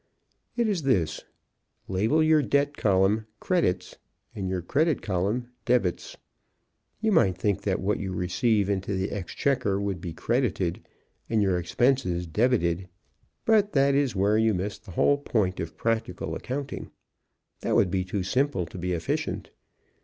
It is this: Label your debit column "credits" and your credit column "debits." You might think that what you receive into the exchequer would be credited and your expenses debited, but that is where you miss the whole theory of practical accounting. That would be too simple to be efficient.